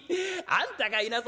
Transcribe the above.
あんたかいな